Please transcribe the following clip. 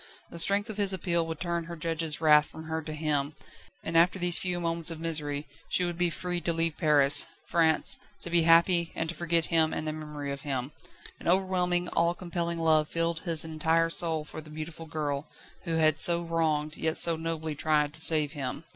The strength of his appeal would turn her judges' wrath from her to him; and after these few moments of misery, she would be free to leave Paris, France, to be happy, and to forget him and the memory of him. An overwhelming, all compelling love filled his entire soul for the beautiful girl, who had so wronged, yet so nobly tried to save him.